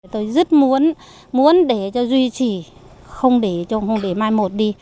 tôi rất muốn muốn để cho duy trì không để mai một đi